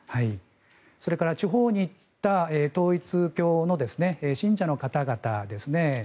それから地方に行った統一教の信者の方々ですね。